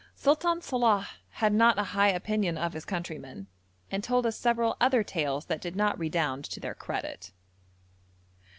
Sultan Salàh had not a high opinion of his countrymen, and told us several other tales that did not redound to their credit.